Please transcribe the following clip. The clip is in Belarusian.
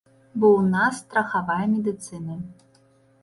Бо ў нас страхавая медыцына.